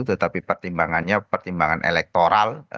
tetapi pertimbangannya pertimbangan elektoral